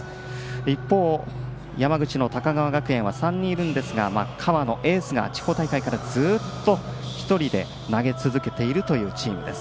一方、山口の高川学園は３人いるんですが河野、エースが地方大会からずっと１人で投げ続けているというチームです。